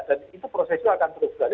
dan itu proses itu akan terus berlaku